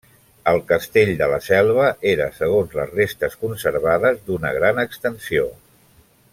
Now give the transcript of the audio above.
El castell de la Selva era, segons les restes conservades, d’una gran extensió.